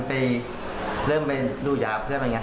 นี่เวลาสองปีสามปีหลังแล้ว